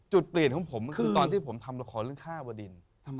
จุดเปลี่ยนของผมคือตอนที่ผมทำลักษณะข้าวดิน